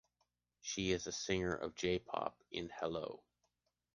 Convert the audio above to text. She is a singer of J-Pop in Hello!